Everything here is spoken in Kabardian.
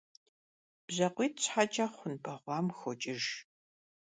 БжьакъуитӀ щхьэкӀэ хъун бэгъуам хокӀыж.